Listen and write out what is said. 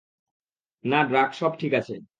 না, ড্রাক, সব ঠিক আছে।